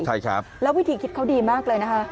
ใช่ครับแล้ววิธีคิดเขาดีมากเลยนะคะ